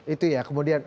itu ya kemudian